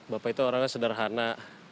bapak itu orangnya sederhana